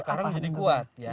sekarang jadi kuat